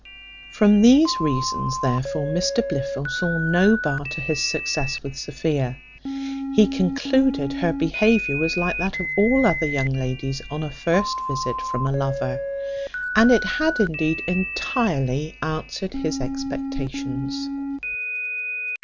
From these reasons, therefore, Mr Blifil saw no bar to his success with Sophia. He concluded her behaviour was like that of all other young ladies on a first visit from a lover, and it had indeed entirely answered his expectations.